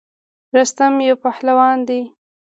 رستم یو پهلوان دی.